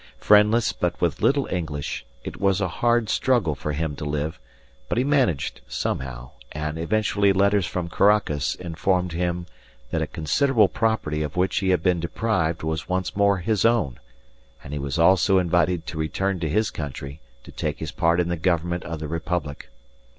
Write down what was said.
Friendless, with but little English, it was a hard struggle for him to live; but he managed somehow, and eventually letters from Caracas informed him that a considerable property of which he had been deprived was once more his own, and he was also invited to return to his country to take his part in the government of the Republic.